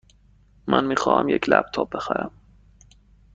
من می خواهم یک لپ تاپ بخرم.